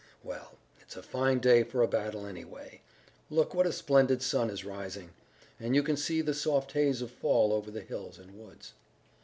"Well, it's a fine day for a battle anyway. Look what a splendid sun is rising! And you can see the soft haze of fall over the hills and woods."